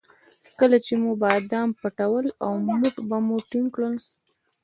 کله چې به مو بادام پټول او موټ به مو ټینګ کړ.